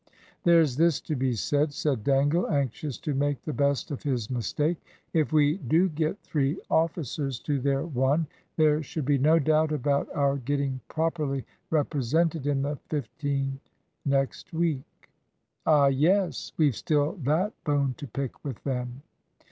"There's this to be said," said Dangle, anxious to make the best of his mistake; "if we do get three officers to their one, there should be no doubt about our getting properly represented in the fifteen next week." "Ah yes; we've still that bone to pick with them."